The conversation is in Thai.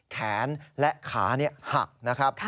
แขนและขาหักนะครับ